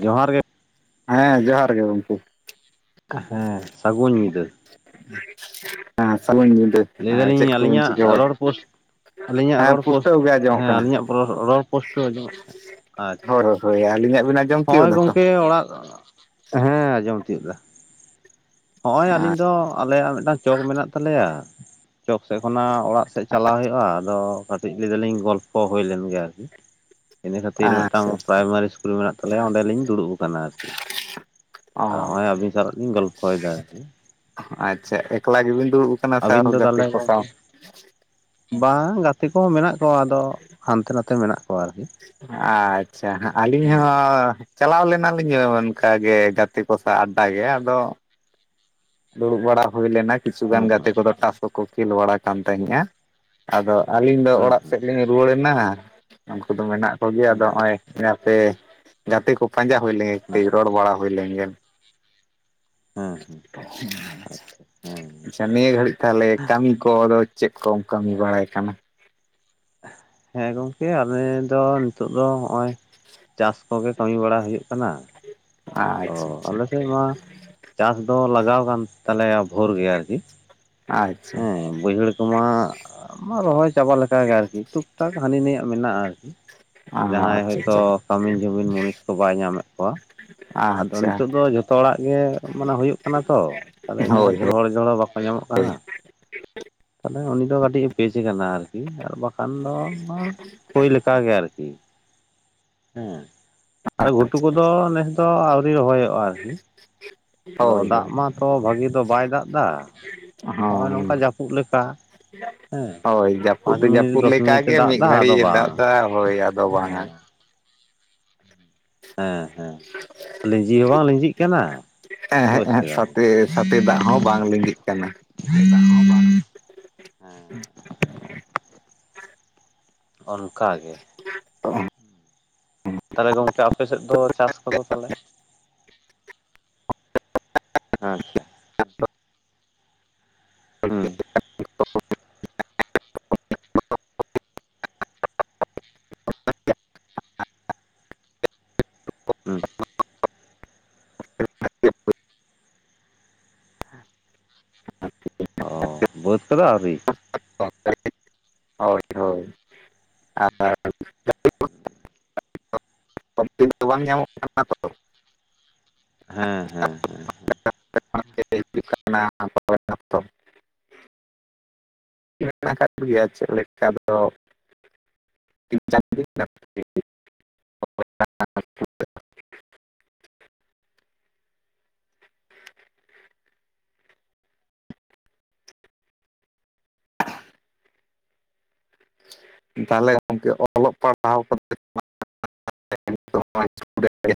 ᱡᱚᱦᱟᱨ ᱜᱮ ᱦᱮᱸ ᱡᱚᱦᱟᱨ ᱜᱮ ᱜᱚᱢᱠᱮ ᱦᱮᱸ ᱥᱟᱜᱩᱱ ᱧᱤᱫᱟᱹ ᱦᱮᱸ ᱥᱟᱹᱜᱩᱱ ᱧᱤᱫᱟᱹ ᱞᱟᱹᱭ ᱫᱟᱹᱞᱤᱧ ᱪᱮᱫ ᱠᱚᱵᱤᱱ ᱟᱹᱞᱤᱧᱟᱜ ᱪᱤᱠᱟᱹ ᱵᱟᱲᱟᱭ ᱨᱚᱲ ᱯᱳᱥ ᱟᱹᱞᱤᱧᱟᱜ ᱦᱮᱸ ᱨᱚᱲ ᱯᱳᱥᱴ ᱯᱩᱥᱴᱟᱹᱣ ᱜᱮ ᱟᱸᱡᱚᱢᱚᱜ ᱦᱮᱸ ᱠᱟᱱᱟ ᱟᱹᱞᱤᱧᱟᱜ ᱯᱨᱚ ᱨᱚᱲ ᱯᱳᱥᱴᱟᱹᱣ ᱟᱸᱡᱚᱢᱚᱜ ᱠᱟᱱᱟ, ᱟᱪᱪᱷᱟ ᱦᱳᱭ ᱦᱳᱭ ᱟᱹᱞᱤᱧᱟᱜ ᱵᱮᱱ ᱦᱚᱸᱜᱚᱭ ᱜᱚᱝᱠᱮ ᱚᱲᱟᱜ, ᱦᱮᱸ ᱟᱸᱡᱚᱢ ᱛᱤᱭᱟᱹᱜᱫᱟ ᱦᱚᱜᱼᱚᱭ ᱟᱞᱤᱧ ᱫᱚ ᱟᱞᱮᱭᱟᱜ ᱢᱤᱫᱴᱟᱝ ᱪᱚᱠ ᱢᱮᱱᱟᱜ ᱛᱟᱞᱮᱭᱟ, ᱪᱚᱠ ᱥᱮᱫ ᱠᱷᱚᱱᱟᱜ ᱚᱲᱟᱜ ᱥᱮᱡ ᱪᱟᱞᱟᱣ ᱦᱳᱭᱳᱜ-ᱟ ᱟᱫᱚ ᱠᱟᱴᱤᱡ ᱞᱟᱹᱭ ᱫᱟᱹᱞᱤᱧ ᱜᱚᱞᱯᱷᱚ ᱦᱳᱭ ᱞᱮᱱ ᱜᱮ ᱟᱨᱠᱤ ᱤᱱᱟᱹ ᱠᱷᱟᱹᱛᱤᱨ ᱢᱤᱫᱴᱟᱝ ᱟᱪᱪᱷᱟ ᱯᱨᱟᱭᱢᱟᱨᱤ ᱤᱥᱠᱩᱞ ᱢᱮᱱᱟᱜ ᱛᱟᱞᱮᱭᱟ ᱚᱸᱰᱮᱞᱤᱧ ᱫᱩᱲᱩᱵ ᱠᱟᱱᱟ ᱟᱨᱠᱤ ᱚ [unintelligible] ᱟᱹᱵᱤᱱ ᱥᱟᱞᱟᱜ ᱞᱤᱧ ᱜᱚᱞ ᱯᱚᱭᱫᱟ ᱟᱨᱠᱤ ᱟᱪᱪᱷᱟ ᱮᱠᱞᱟ ᱜᱮᱵᱤᱱ ᱫᱩᱲᱩᱵ ᱠᱟᱱᱟ ᱥᱮ ᱟᱹᱵᱤᱱ ᱫᱚ ᱟᱨᱦᱚᱸ ᱜᱟᱛᱮ ᱛᱟᱦᱚᱞᱮ ᱠᱚ ᱥᱟᱶ? ᱜᱚᱝᱠᱮ ᱵᱟᱝ ᱜᱟᱛᱮ ᱠᱚᱦᱚᱸ ᱢᱮᱱᱟᱜ ᱠᱚᱣᱟ ᱟᱫᱚ ᱦᱟᱱᱛᱮ ᱱᱟᱛᱮ ᱢᱮᱱᱟᱜ ᱠᱚᱣᱟ ᱟᱨᱠᱤ ᱟᱪᱪᱷᱟ ᱟᱹᱞᱤᱧ ᱦᱮᱸ ᱦᱚᱸ ᱪᱟᱞᱟᱣ ᱞᱮᱱᱟᱞᱤᱧ ᱚᱱᱠᱟᱜᱮ ᱜᱟᱛᱮ ᱠᱚ ᱥᱟᱶ ᱟᱰᱰᱟ ᱜᱮ ᱟᱫᱚ ᱫᱩᱲᱩᱵ ᱵᱟᱲᱟ ᱦᱩᱭ ᱞᱮᱱᱟ ᱠᱤᱪᱷᱩᱜᱟᱱ ᱦᱩᱸ ᱦᱩᱸ ᱜᱟᱛᱮ ᱠᱚᱫᱚ ᱴᱟᱥ ᱠᱚ ᱠᱚ ᱠᱷᱮᱞ ᱵᱟᱲᱟ ᱠᱟᱱ ᱛᱟᱦᱮᱸᱜᱼᱟ ᱾ ᱟᱫᱚ ᱟᱹᱞᱤᱧ ᱫᱚ ᱚᱲᱟᱜ ᱦᱩᱸ ᱥᱮᱫ ᱞᱤᱧ ᱨᱩᱣᱟᱹᱲᱱᱟ ᱩᱱᱠᱩ ᱫᱚ ᱢᱮᱱᱟᱜ ᱠᱚᱜᱮᱭᱟ ᱦᱩᱸ ᱟᱫᱚ ᱱᱚᱜᱼᱚᱭ ᱦᱟᱯᱮ ᱜᱟᱛᱮ ᱠᱚ ᱯᱟᱸᱡᱟ ᱦᱩᱭ ᱞᱮᱱᱜᱮ ᱦᱩᱸ ᱠᱟᱹᱡ ᱨᱚᱲ ᱵᱟᱲᱟ ᱦᱩᱭ ᱞᱮᱱᱜᱮ ᱾ ᱦᱮᱸ ᱦᱮᱸ ᱟᱪᱪᱷᱟ ᱦᱮᱸ [unintelligible] ᱱᱤᱭᱟᱹ ᱜᱷᱟᱹᱲᱤᱡ ᱛᱟᱦᱚᱞᱮ ᱠᱟᱢᱤ ᱠᱚᱫᱚ ᱪᱮᱫ ᱠᱚᱢ ᱠᱟᱹᱢᱤ ᱵᱟᱲᱟᱭ ᱠᱟᱱᱟ? ᱦᱮᱸ ᱜᱚᱝᱠᱮ ᱟᱞᱮ ᱫᱚ ᱱᱤᱛᱚᱜ ᱫᱚ ᱦᱚᱜ-ᱚᱭ ᱪᱟᱥ ᱠᱚᱜᱮ ᱠᱟᱹᱢᱤ ᱵᱟᱲᱟ ᱦᱩᱭᱩᱜ ᱠᱟᱱᱟ ᱾ ᱚ ᱟᱪᱪᱷᱟ ᱟᱪᱪᱷᱟ ᱟᱞᱮ ᱥᱮᱜ ᱢᱟ ᱪᱟᱥ ᱫᱚ ᱞᱟᱜᱟᱣ ᱠᱟᱱ ᱛᱟᱞᱮᱭᱟ ᱵᱷᱳᱨ ᱜᱮ ᱟᱨᱠᱤ ᱟᱪᱪᱷᱟ ᱦᱮᱸ ᱵᱟᱹᱭᱦᱟᱹᱲ ᱛᱚᱢᱟ ᱨᱚᱦᱚᱭ ᱪᱟᱵᱟ ᱞᱮᱠᱟᱜᱮ ᱟᱨᱠᱤ ᱴᱩᱠ ᱴᱟᱠ ᱦᱟᱹᱱᱤ ᱱᱟᱹᱭᱟᱜ ᱢᱮᱱᱟᱜᱼᱟ ᱟᱨᱠᱤ ᱾ ᱡᱟᱦᱟᱸᱭ ᱦᱚᱭᱛᱳ ᱟᱪᱪᱷᱟ ᱟᱪᱪᱷᱟ ᱠᱟᱹᱢᱤᱱ ᱡᱩᱢᱤᱱ ᱢᱩᱱᱤᱥ ᱠᱚ ᱵᱟᱭ ᱧᱟᱢᱮᱜ ᱠᱚᱣᱟ ᱟᱫᱚ ᱟᱪᱪᱷᱟ ᱱᱤᱛᱟᱹᱜ ᱫᱚ ᱡᱷᱚᱛᱚ ᱦᱚᱲᱟᱜ ᱜᱮ ᱢᱟᱱᱮ ᱦᱩᱭᱩᱜ ᱠᱟᱱᱟ ᱛᱚ ᱛᱟᱦᱚᱞᱮ ᱤᱱᱟᱹ ᱦᱳᱭ ᱠᱷᱟᱹᱛᱤᱨ ᱦᱳᱭ ᱦᱚᱲ ᱡᱚᱲ ᱦᱚᱸ ᱵᱟᱠᱚ ᱧᱟᱢᱚᱜ ᱠᱟᱱᱟ ᱛᱟᱦᱚᱞᱮ ᱩᱱᱤ ᱫᱚ ᱠᱟᱹᱴᱤᱡ ᱯᱮᱡ ᱠᱟᱱᱟ ᱟᱨᱠᱤ ᱟᱨ ᱵᱟᱠᱷᱟᱱ ᱫᱚ ᱱᱚᱣᱟ ᱦᱳᱭ ᱞᱮᱠᱟᱜᱮ ᱟᱨᱠᱤ ᱾ ᱦᱮᱸ ᱟᱫᱚ ᱜᱷᱩᱴᱩ ᱠᱚᱫᱚ ᱱᱮᱥ ᱫᱚ ᱟᱣᱨᱤ ᱨᱚᱦᱚᱭᱚᱜᱼᱟ, ᱟᱨᱠᱤ ᱟᱫᱚ ᱦᱳᱭ ᱫᱟᱜ ᱦᱳᱭ ᱢᱟᱛᱚ ᱵᱷᱟᱜᱤ ᱫᱚ ᱵᱟᱭ ᱫᱟᱜ ᱫᱟ ᱱᱚᱜ-ᱚᱭ ᱦᱚᱸ ᱱᱚᱝᱠᱟ ᱡᱟᱯᱩᱫ ᱞᱮᱠᱟ ᱦᱮᱸ ᱦᱳᱭ ᱡᱟᱹᱯᱩᱫ ᱯᱟᱸᱪ ᱫᱚ ᱢᱤᱱᱤᱴ ᱡᱟᱹᱯᱩᱫ ᱫᱚᱥ ᱢᱤᱱᱤᱴᱮ ᱞᱮᱠᱟᱜᱮ ᱫᱟᱜ ᱢᱤᱫ ᱫᱟ ᱟᱫᱚ ᱜᱷᱟᱹᱲᱤᱡ ᱮ ᱫᱟᱜ ᱵᱟᱝ ᱮᱫᱟ ᱦᱳᱭ ᱟᱫᱚ ᱦᱮᱸ ᱵᱟᱝᱟ ᱦᱮᱸ ᱦᱮᱸ ᱞᱤᱸᱡᱤ ᱦᱚᱸ ᱵᱟᱝ ᱞᱤᱸᱡᱤᱜ ᱠᱟᱱᱟ ᱾ ᱮᱸ ᱦᱮᱜ ᱮᱸ ᱦᱮᱜ ᱥᱟᱛᱮ ᱥᱟᱛᱮ ᱫᱟᱜ ᱦᱚᱸ ᱵᱟᱝ ᱞᱤᱸᱜᱤᱜ ᱠᱟᱱᱟ ᱾ [inaudible] ᱚᱱᱠᱟ ᱜᱮ᱾ ᱛᱟᱦᱚᱞᱮ ᱜᱚᱝᱠᱮ ᱟᱯᱮᱥᱮᱫ ᱫᱚ ᱪᱟᱥ ᱠᱚᱫᱚ ᱛᱟᱦᱚᱞᱮ? ᱟᱪᱪᱷᱟ᱾ ᱦᱩᱸ [unintelligible] [unintelligible] ᱦᱮᱸ᱾ ᱚᱻ, ᱵᱟᱹᱫᱽ ᱠᱚᱫᱚ ᱟᱹᱣᱨᱤ᱾ [unintelligible] ᱦᱳᱭ ᱦᱳᱭ ᱟᱨ᱾ [unintelligible] [unintelligible] ᱵᱟᱝ ᱧᱟᱢᱚᱜ ᱠᱟᱱᱟ᱾ [unintelligible] ᱦᱮᱸ ᱦᱮᱸ ᱦᱮᱸ ᱦᱮᱸ᱾ [unintelligible] [unintelligible] ᱢᱮᱱᱟᱜ ᱠᱟᱜ ᱜᱮᱭᱟ ᱪᱮᱫ ᱞᱮᱠᱟ ᱫᱚ [unintelligible] [unintelligible] ᱛᱟᱦᱚᱞᱮ ᱜᱚᱢᱠᱮ ᱚᱞᱚᱜ ᱯᱟᱲᱦᱟᱣ ᱠᱚᱫᱚ᱾ [unintelligible] [unintelligible]